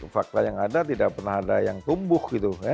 fakta yang ada tidak pernah ada yang tumbuh gitu